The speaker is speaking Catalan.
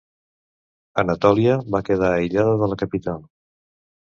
Anatòlia va quedar aïllada de la capital.